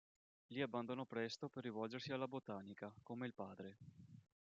Li abbandonò presto per rivolgersi alla botanica, come il padre.